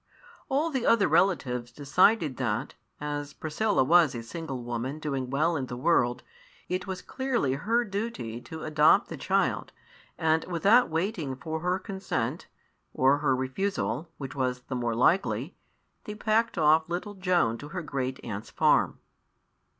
All the other relatives decided that, as Priscilla was a single woman doing well in the world, it was clearly her duty to adopt the child, and without waiting for her consent, or her refusal, which was the more likely, they packed off little Joan to her great aunt's farm.